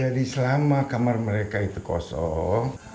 jadi selama kamar mereka itu kosong